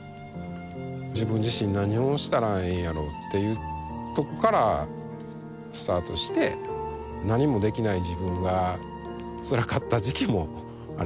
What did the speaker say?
自分自身何をしたらええんやろっていうところからスタートして何もできない自分がつらかった時期もありました。